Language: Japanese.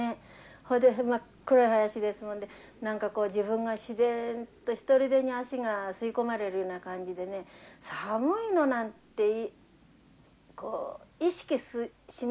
ほいで真っ黒い林ですので何かこう自分が自然とひとりでに足が吸い込まれるような感じでね寒いのなんてこう意識しないでしょうね。